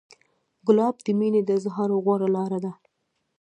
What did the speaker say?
ګلاب د مینې د اظهار غوره لاره ده.